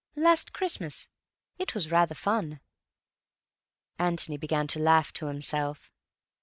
Last Christmas. It was rather fun." Antony began to laugh to himself.